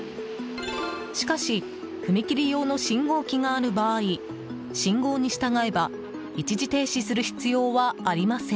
しかし踏切用の信号機がある場合信号に従えば一時停止する必要はありません。